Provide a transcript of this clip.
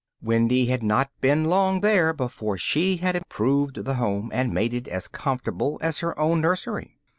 Wendy had not been long there before she had improved the home and made it as comfortable as her own nursery.